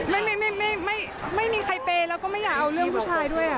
ไม่มีใครเปย์แล้วก็ไม่อยากเอาเรื่องผู้ชายด้วย